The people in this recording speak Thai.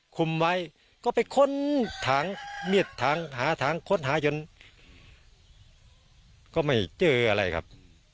ก็ไม่เจออะไรครับ